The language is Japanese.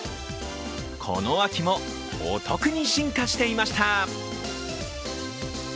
この秋もお得に進化していました。